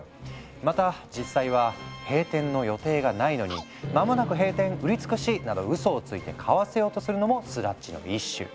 また実際は閉店の予定がないのに「間もなく閉店」「売り尽くし」などうそをついて買わせようとするのもスラッジの一種。